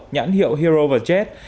nhãn hiệu hero và jet